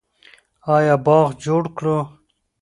آیا باغ جوړ کړو؟